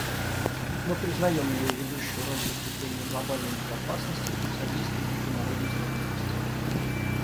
Мы признаем ее ведущую роль в укреплении глобальной безопасности и в содействии международной стабильности.